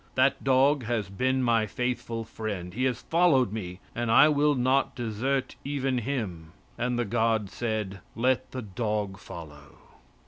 That dog has been my faithful friend. He has followed me and I will not desert even him." And the god said: "Let the dog follow."